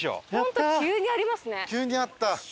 急にあった。